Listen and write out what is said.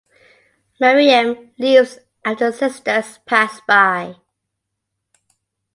Maryam leaves after the sisters pass by.